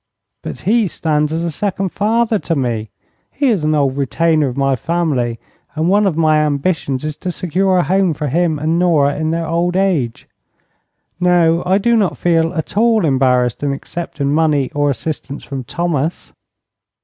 "But he stands as a second father to me. He is an old retainer of my family, and one of my ambitions is to secure a home for him and Nora in their old age. No; I do not feel at all embarrassed in accepting money or assistance from Thomas."